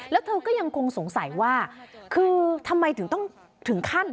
แล้วเธอก็ยังคงสงสัยว่าคือทำไมถึงต้องถึงขั้น